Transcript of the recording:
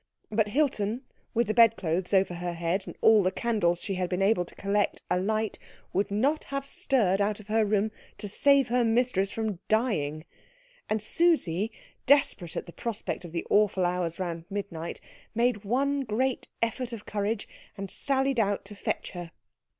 But Hilton, with the bedclothes over her head and all the candles she had been able to collect alight, would not have stirred out of her room to save her mistress from dying; and Susie, desperate at the prospect of the awful hours round midnight, made one great effort of courage and sallied out to fetch her.